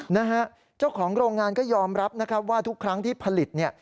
นะฮะเจ้าของโรงงานก็ยอมรับนะครับว่าทุกครั้งที่ผลิตเนี่ย